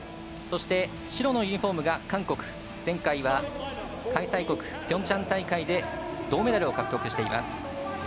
そして、白のユニフォームが韓国、前回は開催国ピョンチャン大会で銅メダルを獲得しています。